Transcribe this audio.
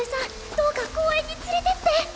どうか公園に連れてって！